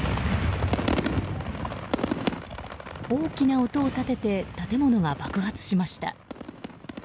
大きな音を立てて建物が爆発しました。